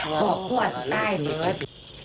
บอกพ่อสีใต้เมื่อ